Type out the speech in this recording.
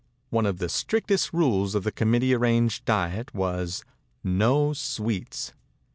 One of the strictest rules of the committee arranged diet was "no sweets."